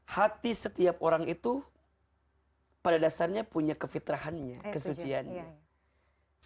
hati setiap orang itu pada dasarnya punya kefitrahannya kesuciannya